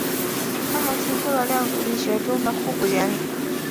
他还提出量子力学中的互补原理。